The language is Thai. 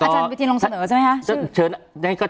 อาจารย์วิทย์ลองเสนอใช่ไหมครับ